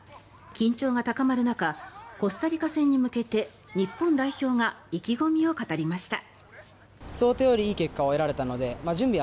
緊張が高まる中コスタリカ戦に向けて日本代表が意気込みを語りました。